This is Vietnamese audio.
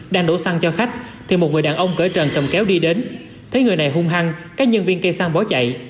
đang đổ xăng cho khách thì một người đàn ông cỡ trần cầm kéo đi đến thấy người này hung hăng các nhân viên cây xăng bỏ chạy